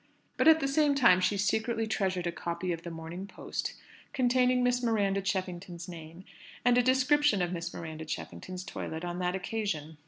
But at the same time she secretly treasured a copy of the Morning Post containing Miss Miranda Cheffington's name, and a description of Miss Miranda Cheffington's toilet on that occasion.